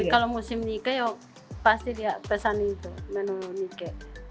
kalau musim ike pasti dia pesan itu menu ike